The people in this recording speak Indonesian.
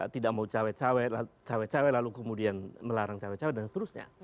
tidak mau cawe cawe cawe cawe lalu kemudian melarang cawe cawe dan seterusnya